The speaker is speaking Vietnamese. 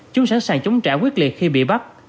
chúng sẵn sàng chống trả quyết liệt khi bị bắt